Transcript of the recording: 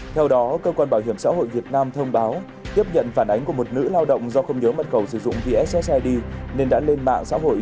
theo đó cơ quan bảo hiểm xã hội việt nam thông báo tiếp nhận phản ánh của một nữ lao động do không nhớ mật cầu sử dụng vssid nên đã lên mạng xã hội